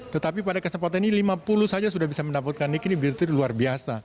tetapi pada kesempatan ini lima puluh saja sudah bisa mendapatkan nik ini berarti luar biasa